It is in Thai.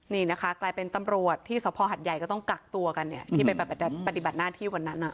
นี่นะคะกลายเป็นตำรวจที่สภหัดใหญ่ก็ต้องกักตัวกันเนี่ยที่ไปปฏิบัติหน้าที่วันนั้น